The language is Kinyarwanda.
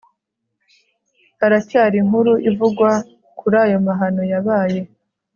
Haracyari inkuru ivugwa kurayo mahano yabaye